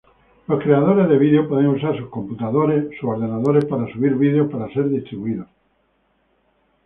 Los creadores de videos pueden usar sus computadores para subir videos para ser distribuidos.